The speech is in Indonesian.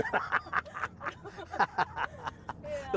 tahu gitu ya